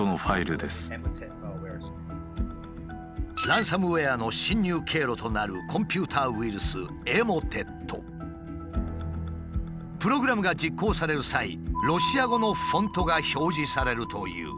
ランサムウエアの侵入経路となるプログラムが実行される際ロシア語のフォントが表示されるという。